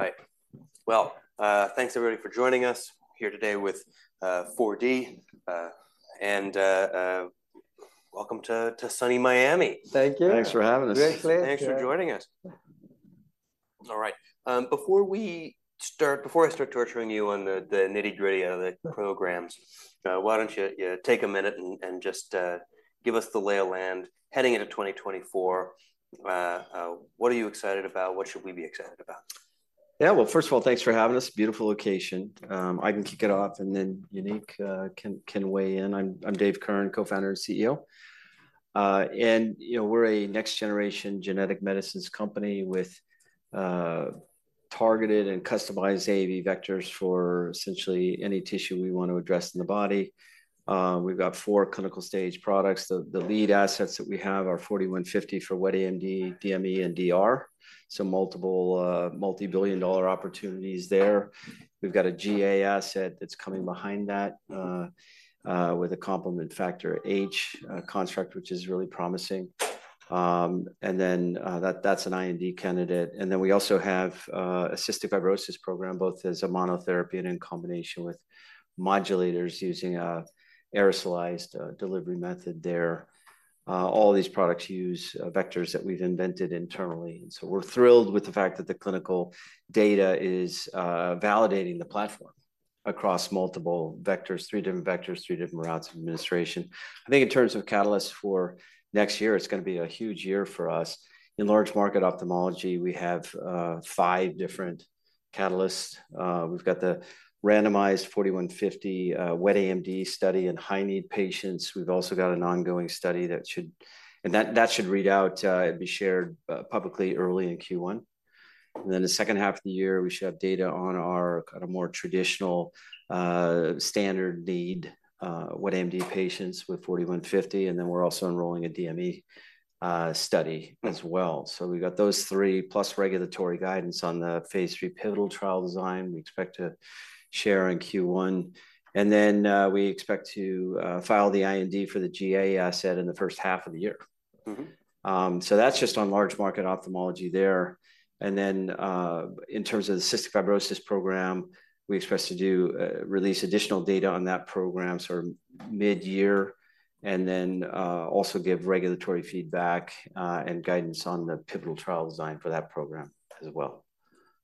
All right. Well, thanks everybody for joining us. Here today with 4D and welcome to sunny Miami! Thank you. Thanks for having us. Great place, yeah. Thanks for joining us. All right, before I start torturing you on the nitty-gritty of the programs, why don't you take a minute and just give us the lay of the land heading into 2024. What are you excited about? What should we be excited about? Yeah, well, first of all, thanks for having us. Beautiful location. I can kick it off, and then Uneek can weigh in. I'm David Kirn, co-founder and CEO. And, you know, we're a next generation genetic medicines company with targeted and customized AAV vectors for essentially any tissue we want to address in the body. We've got four clinical stage products. The lead assets that we have are 4D-150 for wet AMD, DME, and DR, so multiple multi-billion-dollar opportunities there. We've got a GA asset that's coming behind that with a complement factor H construct, which is really promising. And then, that's an IND candidate. And then, we also have a cystic fibrosis program, both as a monotherapy and in combination with modulators using a aerosolized delivery method there. All these products use vectors that we've invented internally, and so we're thrilled with the fact that the clinical data is validating the platform across multiple vectors, three different vectors, three different routes of administration. I think in terms of catalysts for next year, it's gonna be a huge year for us. In large market ophthalmology, we have five different catalysts. We've got the randomized 4D-150 wet AMD study in high-need patients. We've also got an ongoing study that should read out and be shared publicly early in Q1. And then the second half of the year, we should have data on our kind of more traditional standard need wet AMD patients with 4D-150, and then we're also enrolling a DME study as well. So we've got those three, plus regulatory guidance on the Phase III pivotal trial design we expect to share in Q1. And then, we expect to file the IND for the GA asset in the first half of the year. Mm-hmm. So that's just on large market ophthalmology there. And then, in terms of the cystic fibrosis program, we expect to release additional data on that program sort of mid-year, and then, also give regulatory feedback, and guidance on the pivotal trial design for that program as well.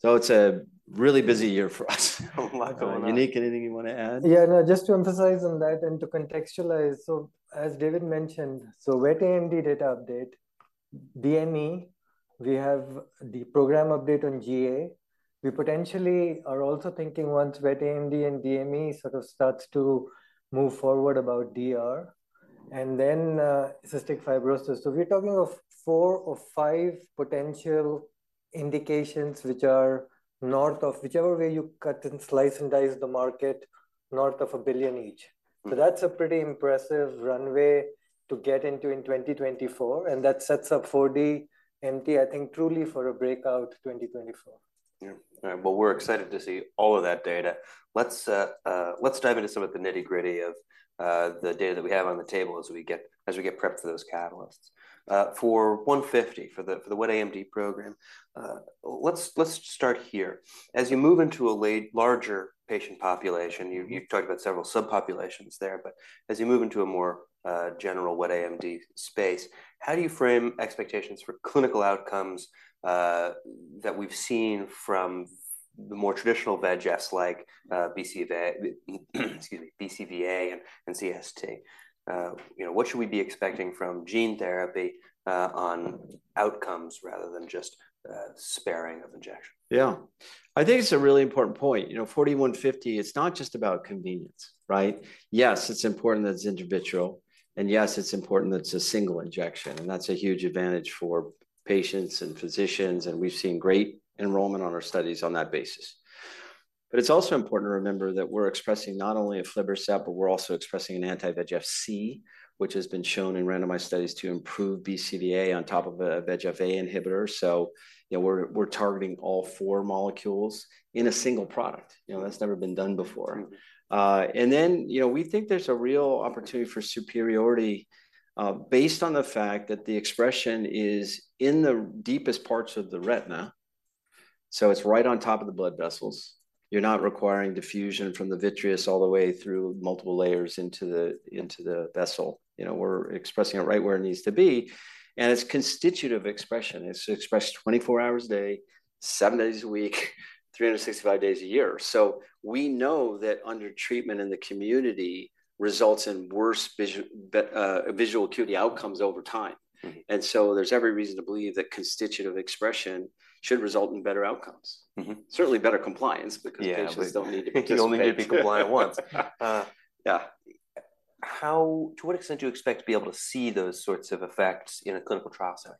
So it's a really busy year for us. Oh, my goodness! Yanik, anything you want to add? Yeah, no, just to emphasize on that and to contextualize. So, as David mentioned, so wet AMD data update, DME, we have the program update on GA. We potentially are also thinking once wet AMD and DME sort of starts to move forward about DR, and then, cystic fibrosis. So we're talking of four or five potential indications, which are north of... whichever way you cut and slice and dice the market, north of $1 billion each. Mm. So that's a pretty impressive runway to get into in 2024, and that sets up 4DMT, I think, truly for a breakout 2024. Yeah. All right, well, we're excited to see all of that data. Let's dive into some of the nitty-gritty of the data that we have on the table as we get prepped for those catalysts. For 150, for the wet AMD program, let's start here. As you move into a larger patient population, you've talked about several subpopulations there, but as you move into a more general wet AMD space, how do you frame expectations for clinical outcomes that we've seen from the more traditional VEGFs, like BCVA, excuse me, BCVA and CST? You know, what should we be expecting from gene therapy on outcomes rather than just sparing of injection? Yeah. I think it's a really important point. You know, 4D-150, it's not just about convenience, right? Yes, it's important that it's intravitreal, and yes, it's important that it's a single injection, and that's a huge advantage for patients and physicians, and we've seen great enrollment on our studies on that basis. But it's also important to remember that we're expressing not only aflibercept, but we're also expressing an anti-VEGF-C, which has been shown in randomized studies to improve BCVA on top of a VEGF-A inhibitor. So, you know, we're targeting all four molecules in a single product. You know, that's never been done before. Mm. And then, you know, we think there's a real opportunity for superiority, based on the fact that the expression is in the deepest parts of the retina, so it's right on top of the blood vessels. You're not requiring diffusion from the vitreous all the way through multiple layers into the, into the vessel. You know, we're expressing it right where it needs to be, and it's constitutive expression. It's expressed 24 hours a day, 7 days a week, 365 days a year. So we know that under treatment in the community results in worse visual acuity outcomes over time. Mm. There's every reason to believe that constitutive expression should result in better outcomes. Mm-hmm. Certainly, better compliance, because- Yeah... patients don't need to participate. You only need to be compliant once. Uh, yeah. To what extent do you expect to be able to see those sorts of effects in a clinical trial setting?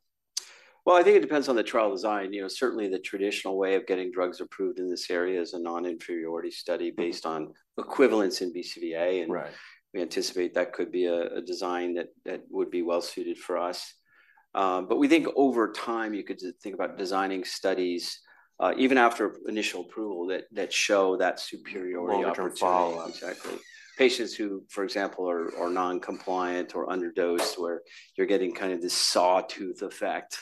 Well, I think it depends on the trial design. You know, certainly, the traditional way of getting drugs approved in this area is a non-inferiority study based on equivalence in BCVA, and- Right... we anticipate that could be a design that would be well suited for us. But we think over time, you could think about designing studies, even after initial approval, that show that superiority opportunity. Longer-term follow-up. Exactly. Patients who, for example, are non-compliant or underdosaged, where you're getting kind of this sawtooth effect,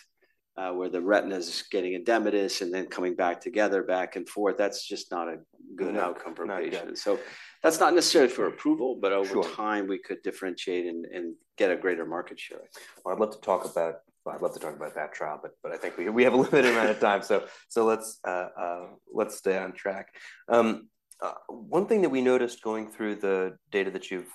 where the retina is getting edematous and then coming back together, back and forth, that's just not a good outcome for a patient. Not good. That's not necessarily for approval. Sure. but over time, we could differentiate and, and get a greater market share. Well, I'd love to talk about that trial, but I think we have a limited amount of time. So let's stay on track. One thing that we noticed going through the data that you've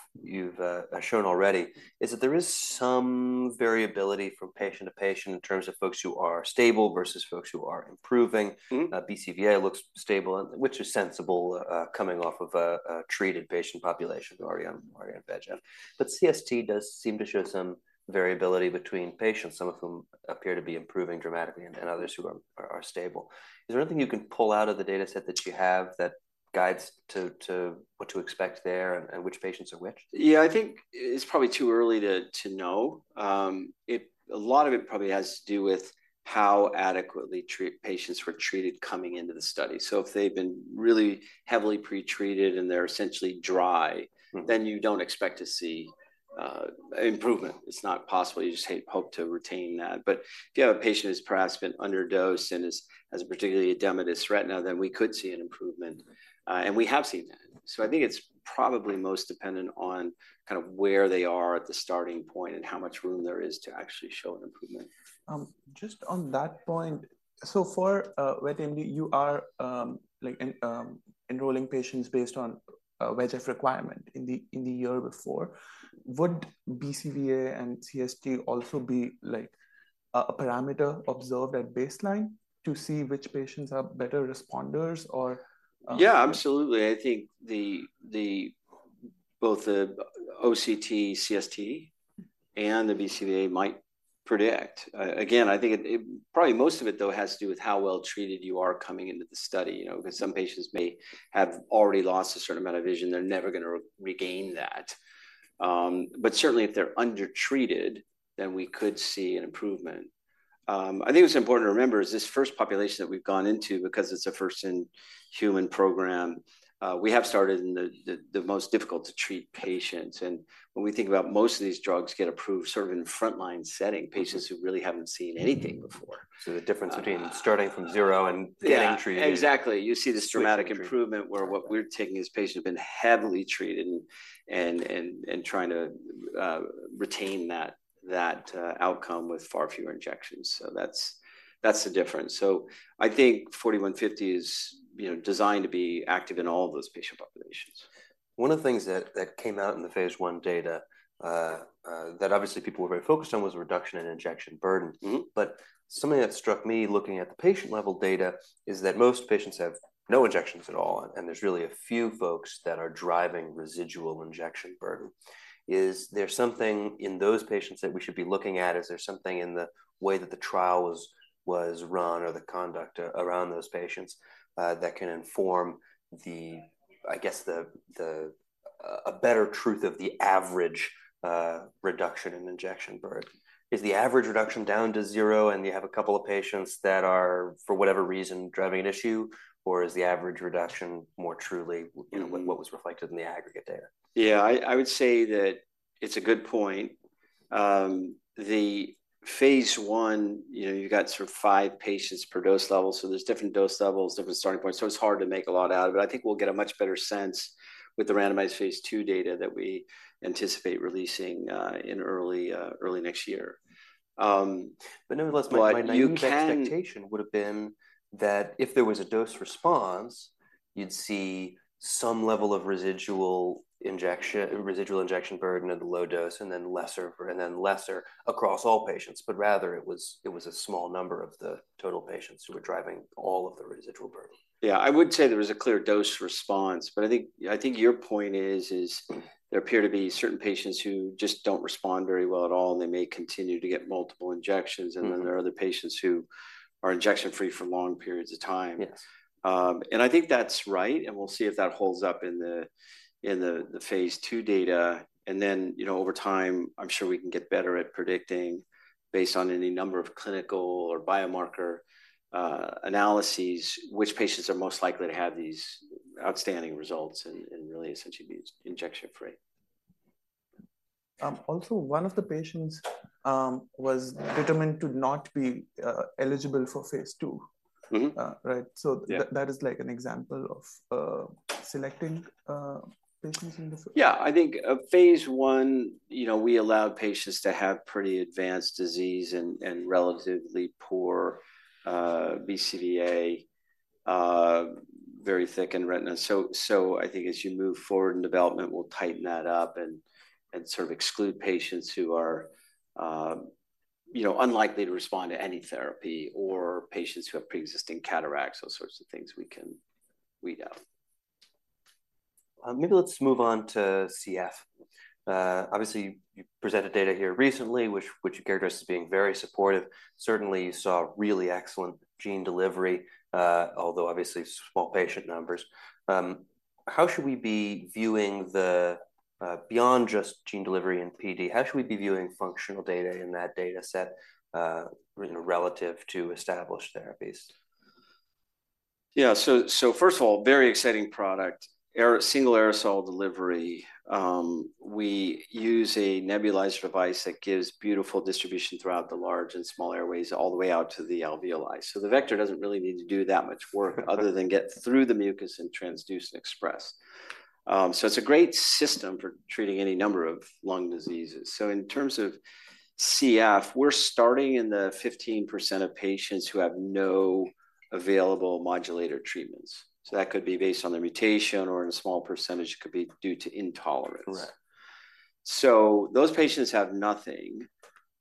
shown already is that there is some variability from patient to patient in terms of folks who are stable versus folks who are improving. Mm-hmm. BCVA looks stable, which is sensible, coming off of a treated patient population already on VEGF. But CST does seem to show some variability between patients, some of whom appear to be improving dramatically and others who are stable. Is there anything you can pull out of the data set that you have that guides to what to expect there and which patients are which? Yeah, I think it's probably too early to know. It, a lot of it probably has to do with how adequately treated patients were treated coming into the study. So if they've been really heavily pre-treated and they're essentially dry- Mm. Then you don't expect to see improvement. It's not possible. You just hope to retain that. But if you have a patient who's perhaps been underdosed and has a particularly edematous retina, then we could see an improvement, and we have seen that. So I think it's probably most dependent on kind of where they are at the starting point and how much room there is to actually show an improvement. Just on that point, so for wet AMD, you are like enrolling patients based on VEGF requirement in the year before. Would BCVA and CST also be like a parameter observed at baseline to see which patients are better responders or Yeah, absolutely. I think both the OCT, CST, and the BCVA might predict. Again, I think it probably most of it, though, has to do with how well treated you are coming into the study, you know, because some patients may have already lost a certain amount of vision, they're never gonna regain that. But certainly, if they're undertreated, then we could see an improvement. I think what's important to remember is this first population that we've gone into, because it's a first in human program, we have started in the most difficult to treat patients. And when we think about most of these drugs get approved sort of in a frontline setting, patients who really haven't seen anything before. So the difference between starting from zero and being treated- Yeah, exactly. You see this dramatic improvement- Mm Where what we're taking is patients who've been heavily treated and trying to retain that outcome with far fewer injections. So that's the difference. So I think 4D-150 is, you know, designed to be active in all of those patient populations. One of the things that came out in the phase I data, that obviously people were very focused on was a reduction in injection burden. Mm-hmm. But something that struck me, looking at the patient-level data, is that most patients have no injections at all, and there's really a few folks that are driving residual injection burden. Is there something in those patients that we should be looking at? Is there something in the way that the trial was run or the conduct around those patients that can inform the—I guess a better truth of the average reduction in injection burden? Is the average reduction down to zero, and you have a couple of patients that are, for whatever reason, driving an issue, or is the average reduction more truly- Mm-hmm... you know, what was reflected in the aggregate data? Yeah, I would say that it's a good point. The phase I, you know, you got sort of five patients per dose level, so there's different dose levels, different starting points, so it's hard to make a lot out of it. I think we'll get a much better sense with the randomized phase II data that we anticipate releasing in early next year. But you can- But nevertheless, my expectation would have been that if there was a dose response, you'd see some level of residual injection burden at the low dose, and then lesser, and then lesser across all patients. But rather, it was a small number of the total patients who were driving all of the residual burden. Yeah, I would say there was a clear dose response, but I think, I think your point is, is there appear to be certain patients who just don't respond very well at all, and they may continue to get multiple injections- Mm-hmm. and then there are other patients who are injection free for long periods of time. Yes. I think that's right, and we'll see if that holds up in the phase II data. And then, you know, over time, I'm sure we can get better at predicting, based on any number of clinical or biomarker analyses, which patients are most likely to have these outstanding results and really essentially be injection free. Also, one of the patients was determined to not be eligible for phase 2- Mm-hmm. -uh, right? Yeah. So that is like an example of selecting patients in this? Yeah, I think, phase I, you know, we allowed patients to have pretty advanced disease and relatively poor BCVA, very thickened retina. So I think as you move forward in development, we'll tighten that up and sort of exclude patients who are, you know, unlikely to respond to any therapy or patients who have pre-existing cataracts, those sorts of things we can weed out. Maybe let's move on to CF. Obviously, you presented data here recently, which, which characterized as being very supportive. Certainly, you saw really excellent gene delivery, although obviously small patient numbers. How should we be viewing the, beyond just gene delivery and PD, how should we be viewing functional data in that data set, you know, relative to established therapies?... Yeah, so, so first of all, very exciting product, single aerosol delivery. We use a nebulizer device that gives beautiful distribution throughout the large and small airways, all the way out to the alveoli. So the vector doesn't really need to do that much work other than get through the mucus and transduce and express. So it's a great system for treating any number of lung diseases. So in terms of CF, we're starting in the 15% of patients who have no available modulator treatments. So that could be based on the mutation, or in a small percentage, it could be due to intolerance. Correct. So those patients have nothing.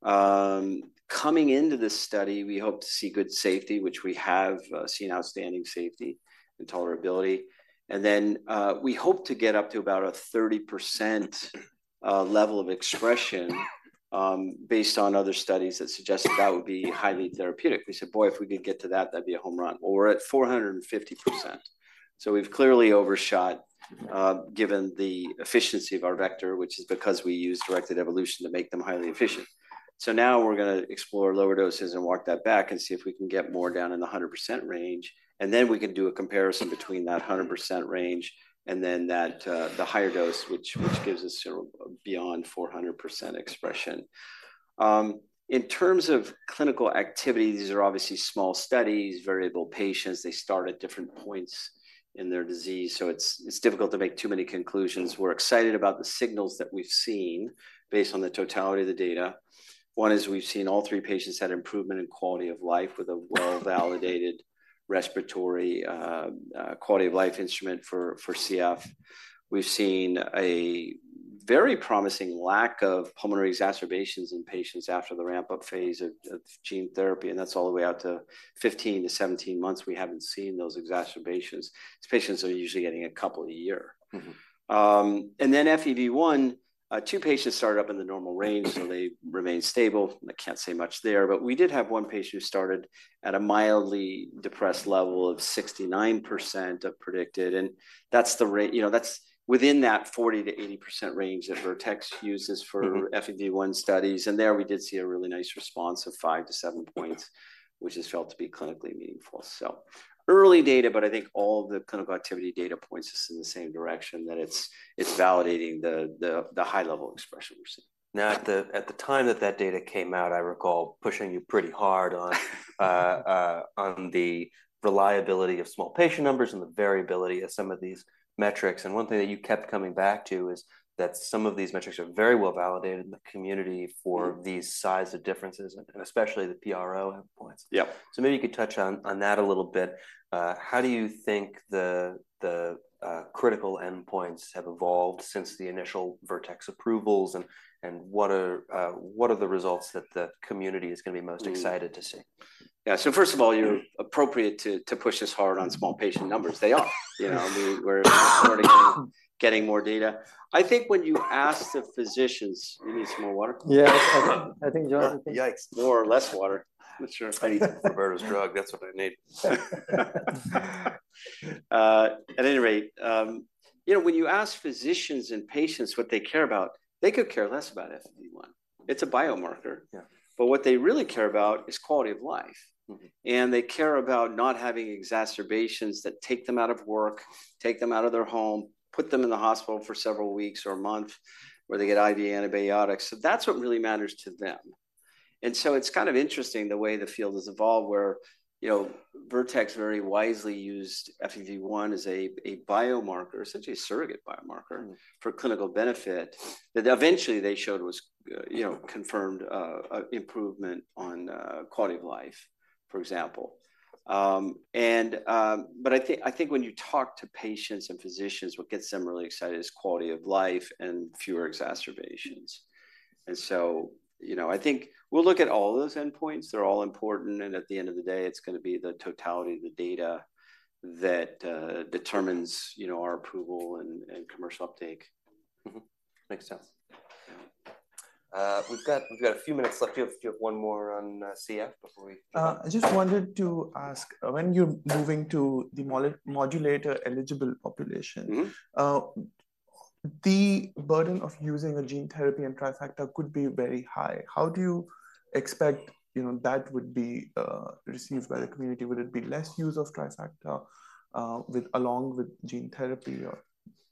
Coming into this study, we hope to see good safety, which we have seen outstanding safety and tolerability. And then, we hope to get up to about a 30% level of expression, based on other studies that suggested that would be highly therapeutic. We said, "Boy, if we could get to that, that'd be a home run." Well, we're at 450%, so we've clearly overshot, given the efficiency of our vector, which is because we use directed evolution to make them highly efficient. So now we're gonna explore lower doses and work that back and see if we can get more down in the 100% range, and then we can do a comparison between that 100% range and then that, the higher dose, which gives us, you know, beyond 400% expression. In terms of clinical activity, these are obviously small studies, variable patients. They start at different points in their disease, so it's difficult to make too many conclusions. We're excited about the signals that we've seen based on the totality of the data. One is we've seen all three patients had improvement in quality of life with a well-validated respiratory quality of life instrument for CF. We've seen a very promising lack of pulmonary exacerbations in patients after the ramp-up phase of gene therapy, and that's all the way out to 15-17 months, we haven't seen those exacerbations. These patients are usually getting a couple a year. Mm-hmm. And then FEV1, two patients started up in the normal range, so they remained stable. I can't say much there, but we did have one patient who started at a mildly depressed level of 69% of predicted, and that's the—you know, that's within that 40%-80% range that Vertex uses for- Mm-hmm. FEV1 studies, and there we did see a really nice response of 5-7 points, which is felt to be clinically meaningful. So early data, but I think all the clinical activity data points us in the same direction, that it's validating the high level of expression we're seeing. Now, at the time that that data came out, I recall pushing you pretty hard on the reliability of small patient numbers and the variability of some of these metrics, and one thing that you kept coming back to is that some of these metrics are very well validated in the community for- Mm these size of differences, and especially the PRO endpoints. Yeah. So maybe you could touch on that a little bit. How do you think the critical endpoints have evolved since the initial Vertex approvals, and what are the results that the community is gonna be most excited to see? Yeah. So first of all, you're appropriate to, to push us hard on small patient numbers. They are. You know, we're starting getting more data. I think when you ask the physicians... You need some more water? Yeah. I think John- Yikes! More or less water? Sure. I- Robitussin, that's what I need. At any rate, you know, when you ask physicians and patients what they care about, they could care less about FEV1. It's a biomarker. Yeah. But what they really care about is quality of life. Mm-hmm. They care about not having exacerbations that take them out of work, take them out of their home, put them in the hospital for several weeks or a month, where they get IV antibiotics. So that's what really matters to them. And so it's kind of interesting the way the field has evolved, where, you know, Vertex very wisely used FEV1 as a biomarker, essentially a surrogate biomarker- Mm. For clinical benefit, that eventually they showed was, you know, confirmed, a improvement on quality of life, for example. But I think when you talk to patients and physicians, what gets them really excited is quality of life and fewer exacerbations. And so, you know, I think we'll look at all those endpoints, they're all important, and at the end of the day, it's gonna be the totality of the data that determines, you know, our approval and commercial uptake. Mm-hmm. Makes sense. We've got a few minutes left. Do you have one more on CF before we- I just wanted to ask, when you're moving to the modulator-eligible population- Mm-hmm. The burden of using a gene therapy and Trikafta could be very high. How do you expect, you know, that would be received by the community? Would it be less use of Trikafta, with, along with gene therapy or?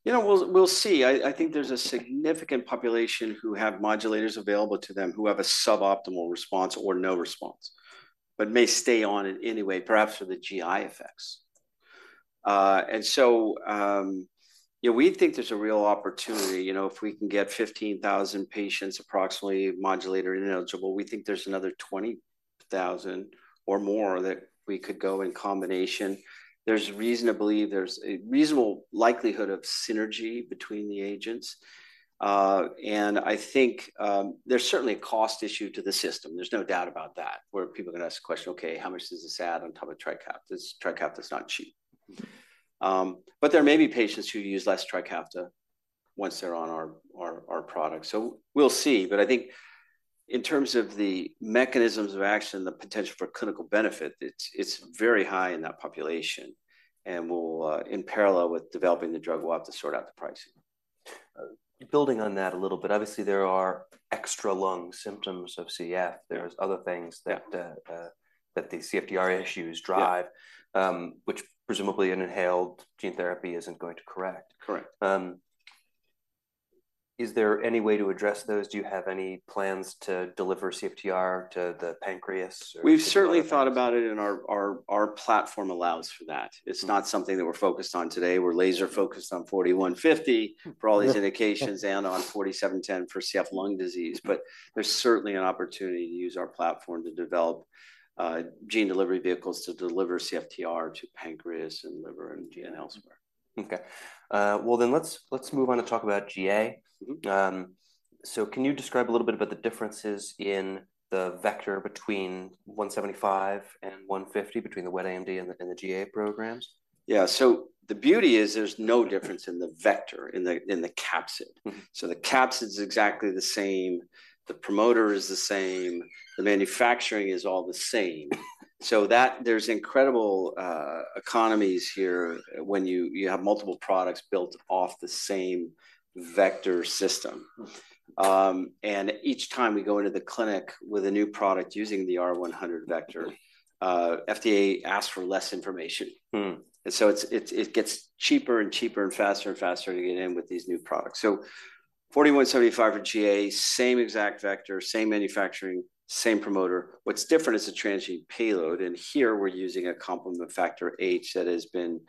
You know, we'll see. I think there's a significant population who have modulators available to them, who have a suboptimal response or no response, but may stay on it anyway, perhaps for the GI effects. And so, yeah, we think there's a real opportunity, you know, if we can get 15,000 patients, approximately modulator ineligible, we think there's another 20,000 or more that we could go in combination. There's a reasonable likelihood of synergy between the agents. And I think, there's certainly a cost issue to the system, there's no doubt about that, where people are gonna ask the question, "Okay, how much does this add on top of Trikafta?" Trikafta is not cheap. But there may be patients who use less Trikafta once they're on our product. So we'll see, but I think in terms of the mechanisms of action, the potential for clinical benefit, it's very high in that population, and we'll, in parallel with developing the drug, we'll have to sort out the pricing.... building on that a little bit, obviously, there are extra lung symptoms of CF. There's other things that the CFTR issues drive- Yeah. which presumably an inhaled gene therapy isn't going to correct. Correct. Is there any way to address those? Do you have any plans to deliver CFTR to the pancreas or- We've certainly thought about it, and our platform allows for that. It's not something that we're focused on today. We're laser focused on 4D-150 for all these indications and on 4D-710 for CF lung disease. But there's certainly an opportunity to use our platform to develop gene delivery vehicles to deliver CFTR to pancreas and liver and gene and elsewhere. Okay. Well, then let's move on to talk about GA. Mm-hmm. So, can you describe a little bit about the differences in the vector between 175 and 150, between the wet AMD and the GA programs? Yeah. So the beauty is there's no difference in the vector, in the capsid. Mm-hmm. The capsid's exactly the same, the promoter is the same, the manufacturing is all the same. So that there's incredible economies here when you have multiple products built off the same vector system. Mm. Each time we go into the clinic with a new product using the R100 vector, FDA asks for less information. Mm. And so it's, it gets cheaper and cheaper and faster and faster to get in with these new products. So 4D-175 for GA, same exact vector, same manufacturing, same promoter. What's different is the transgene payload, and here we're using a complement factor H that has been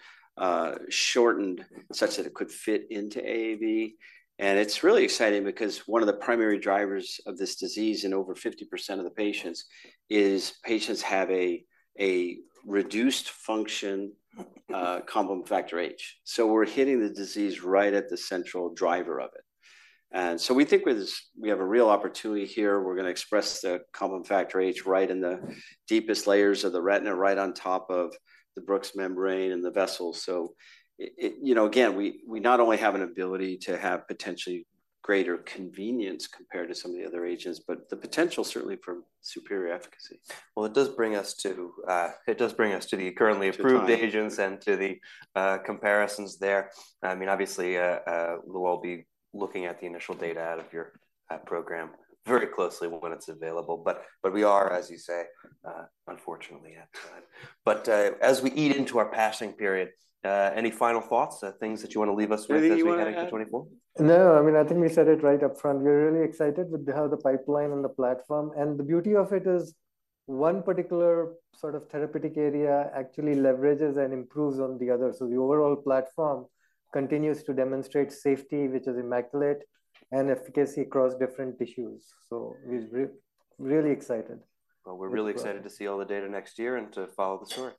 shortened such that it could fit into AAV. And it's really exciting because one of the primary drivers of this disease in over 50% of the patients is patients have a reduced function complement factor H. So we're hitting the disease right at the central driver of it. And so we think with this, we have a real opportunity here. We're going to express the complement factor H right in the deepest layers of the retina, right on top of the Bruch's membrane and the vessels. So it, you know, again, we not only have an ability to have potentially greater convenience compared to some of the other agents, but the potential, certainly for superior efficacy. Well, it does bring us to the currently approved- To time... agents and to the, comparisons there. I mean, obviously, we'll all be looking at the initial data out of your, program very closely when it's available, but, but we are, as you say, unfortunately, outside. But, as we eat into our passing period, any final thoughts, things that you want to leave us with as we head into 2024? Ravi, you want to add? No, I mean, I think we said it right up front. We're really excited with how the pipeline and the platform, and the beauty of it is one particular sort of therapeutic area actually leverages and improves on the other. So the overall platform continues to demonstrate safety, which is immaculate, and efficacy across different tissues. So we're really excited. Well, we're really excited to see all the data next year and to follow the story.